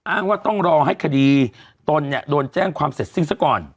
อ้างว่าต้องรอให้คดีตนเนี่ยโดนแจ้งความเสร็จสิ้นซะก่อน